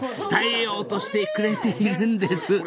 ［伝えようとしてくれているんです］